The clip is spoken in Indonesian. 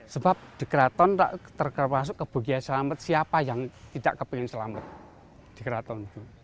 sebab di keraton tidak terperasuk kebukiaan selamat siapa yang tidak kepingin selamat di keraton